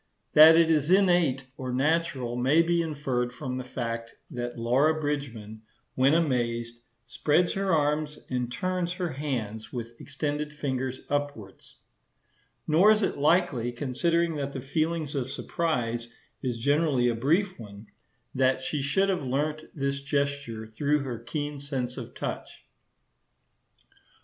That it is innate or natural may be inferred from the fact that Laura Bridgman, when amazed, "spreads her arms and turns her hands with extended fingers upwards;" nor is it likely, considering that the feeling of surprise is generally a brief one, that she should have learnt this gesture through her keen sense of touch.